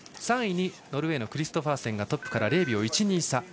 ３位にノルウェーのクリストファーセンがトップから０秒１２差。